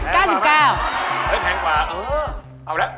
แพงกว่า